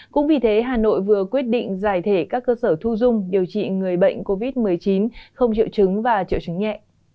cũng vì thế hà nội vừa quyết định giải thể các cơ sở thu dung điều trị người bệnh covid một mươi chín không triệu chứng và triệu chứng nhẹ